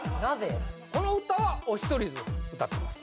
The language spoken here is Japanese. この歌はお一人で歌ってます